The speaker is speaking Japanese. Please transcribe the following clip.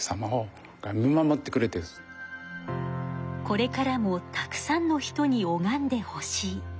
これからもたくさんの人におがんでほしい。